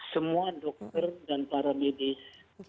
semua dokter dan para medis